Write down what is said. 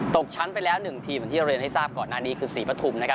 ตกชั้นไปแล้วหนึ่งทีมอย่างที่เราเรียนให้ทราบก่อนนั้นนี่คือสี่ประถุมนะครับ